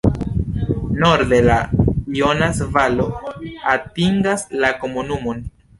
Norde la Jonas-valo atingas la komunumon.